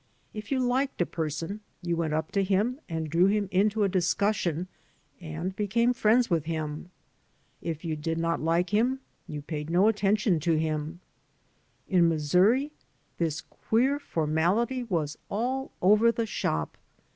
If you liked a person, you went up to him and drew him into a discussion and became friends with him. H you did not like him, you paid no attention to him. In Missouri this queer formal ity was all over the shop.